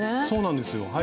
そうなんですよ。